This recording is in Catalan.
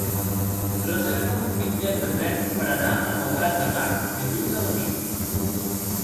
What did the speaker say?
Reserva'm un bitllet de tren per anar a Malgrat de Mar dilluns a la nit.